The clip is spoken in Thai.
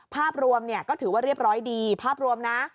ภาพรวมก็ถือว่าเรียบร้อยดีภาพรวมนะ